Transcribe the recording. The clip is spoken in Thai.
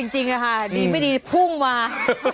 จริงค่ะดีไม่ดีพุ่งมา